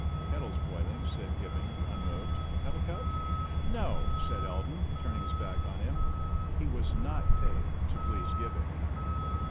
"Kettle's boiling," said Gibbing, unmoved. "Have a cup?" "No," said Elton, turning his back on him. He was not paid to please Gibbing.